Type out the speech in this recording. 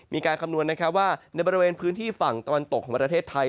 มีการคำนวณว่าในบริเวณพื้นที่ฝั่งตอนตกของประเทศไทย